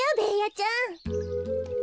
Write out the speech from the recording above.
ちゃん。